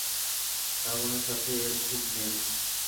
কার্বনের সাথে এর খুব মিল।